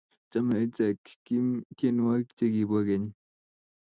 Chame ochei Kim tyenwogik chegibo keny